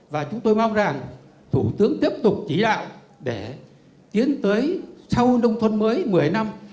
và chúng tôi mong rằng thủ tướng tiếp tục chỉ đạo để tiến tới sau nông thuần mới một mươi năm